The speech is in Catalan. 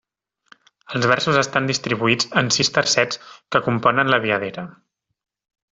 Els versos estan distribuïts en sis tercets que componen la viadera.